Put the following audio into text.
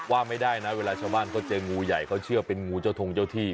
ว่าไม่ได้นะเวลาชาวบ้านเขาเจองูใหญ่เขาเชื่อเป็นงูเจ้าทงเจ้าที่